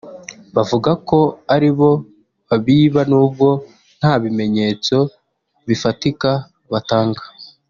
bavuga ko ari bo babiba n’ubwo nta bimenyetso bifatika batanga